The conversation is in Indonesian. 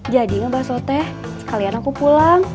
jadi gak mbak sotih sekalian aku pulang